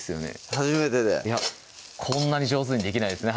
初めてでこんなに上手にできないですね